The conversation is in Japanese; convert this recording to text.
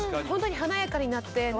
ホントに華やかになって。